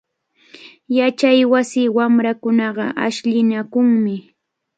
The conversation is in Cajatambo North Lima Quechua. Yachaywasi wamrakunaqa ashllinakunmi.